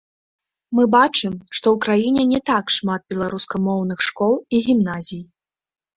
Мы бачым, што ў краіне не так шмат беларускамоўных школ і гімназій.